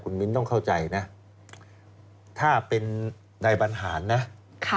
มิ้นต้องเข้าใจนะถ้าเป็นนายบรรหารนะค่ะ